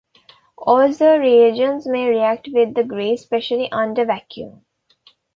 Also, reagents may react with the grease, especially under vacuum.